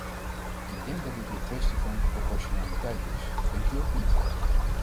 Ik denk dat dit een kwestie van proportionaliteit is, denkt u ook niet?